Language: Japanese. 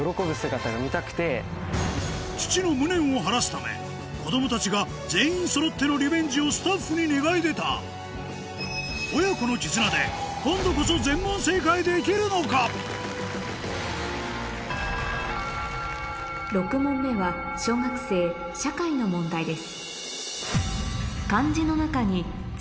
父の無念を晴らすため子供たちが全員そろってのリベンジをスタッフに願い出た親子の絆で今度こそ全問正解できるのか⁉６問目は小学生社会の問題です